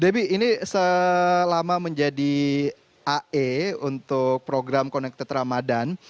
debbie ini selama menjadi ae untuk program connected ramadan